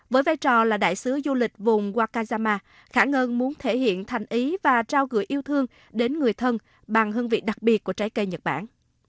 với vai trò là đại sứ du lịch vùng wakayama khả ngân muốn thể hiện thành ý và trao gửi yêu thương đến người thân bằng hương vị đặc biệt của trái cây nhật bản